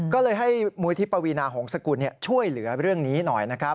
ก็เลยให้มูลที่ปวีนาหงษกุลช่วยเหลือเรื่องนี้หน่อยนะครับ